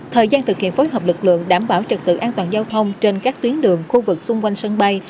thời gian thực hiện phối hợp lực lượng đảm bảo trật tự an toàn giao thông trên các tuyến đường khu vực xung quanh sân bay